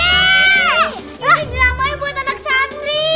ini drama yang buat anak satri